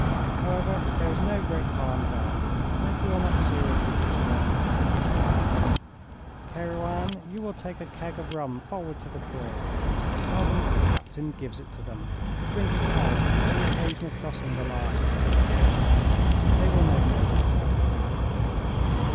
However, there is no great harm done, and it will not seriously disarrange my plans. "Kerouan, you will take a keg of rum forward to the crew and tell them that the captain gives it to them to drink his health on the occasion of crossing the line. "They will know no better.